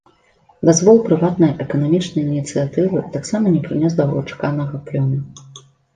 Дазвол прыватнай эканамічнай ініцыятывы таксама не прынёс доўгачаканага плёну.